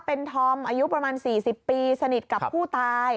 เป็นธอมอายุประมาณ๔๐ปีสนิทกับผู้ตาย